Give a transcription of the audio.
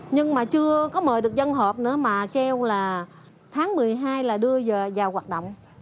nhưng mà chưa có mời được dân hợp nữa mà treo là tháng một mươi hai là đưa vào hoạt động